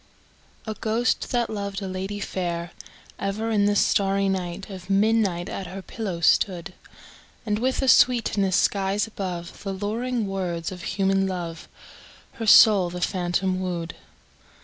A ghost, that loved a lady fair, Ever in the starry air Of midnight at her pillow stood; And, with a sweetness skies above The luring words of human love, Her soul the phantom wooed.